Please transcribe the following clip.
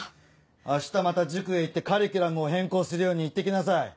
明日また塾へ行ってカリキュラムを変更するように言って来なさい。